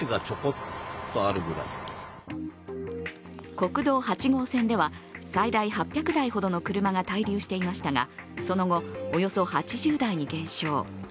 国道８号線では、最大８００台ほどの車が滞留していましたが、その後、およそ８０台に減少。